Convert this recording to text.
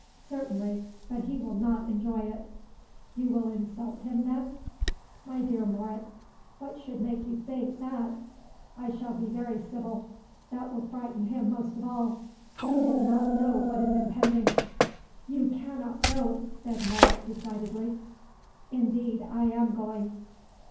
"Certainly, but he will not enjoy it." "You will insult him, then?" "My dear Moret, what should make you think that? I shall be very civil. That will frighten him most of all; he will not know what is impending." "You cannot go," said Moret decidedly. "Indeed I am going."